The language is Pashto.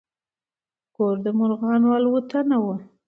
ګور د مرغانو الوتنه وه.